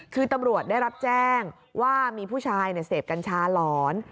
คือตำรวจได้รับแจ้งว่ามีผู้ชายเสพกัญชาหลอน